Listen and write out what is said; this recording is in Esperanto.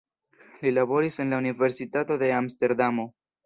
Li laboris en la universitato de Amsterdamo.